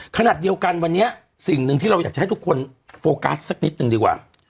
ขนาดเดียวกันวันนี้สิ่งหนึ่งที่เราอยากจะให้ทุกคนโฟกัสสักนิดนึงดีกว่า